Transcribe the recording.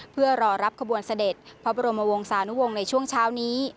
เพื่อรอรับขบวนเสด็จพระบรมวงศานุวงศ์ในช่วงเช้านี้